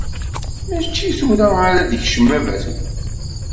Mačči tura ara d-ikcem baba-twen.